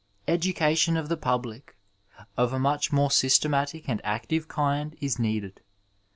Education of the public of a much more systematic and active kind is needed.